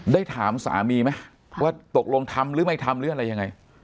ได้ถามสามีไหมว่าตกลงทำหรือไม่ทำหรืออะไรยังไง